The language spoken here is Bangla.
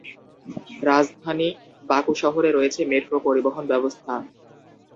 রাজধানী বাকু শহরে রয়েছে মেট্রো পরিবহন ব্যবস্থা।